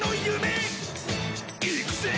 いくぜ！